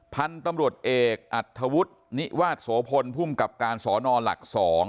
พันธุ์ตำรวจเอกอัธวุฒินิวาสโสพลภูมิกับการสอนอหลัก๒